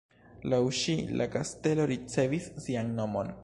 Laŭ ŝi la kastelo ricevis sian nomon.